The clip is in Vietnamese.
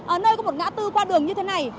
ở nơi có một ngã tư qua đường như thế này